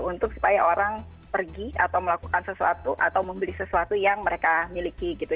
untuk supaya orang pergi atau melakukan sesuatu atau membeli sesuatu yang mereka miliki gitu